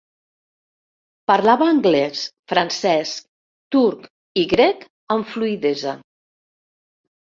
Parlava anglès, francès, turc i grec amb fluïdesa.